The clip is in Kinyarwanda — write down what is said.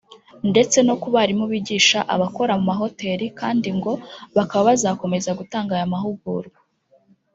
ndetse no ku barimu bigisha abokora mu mahoteri kandi ngo bakaba bazakomeza gutanga aya mahugurwa